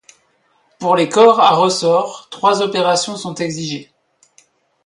Pour les corps à ressort, trois opérations sont exigées.